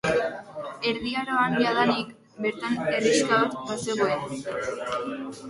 Erdi Aroan jadanik bertan herrixka bat bazegoen.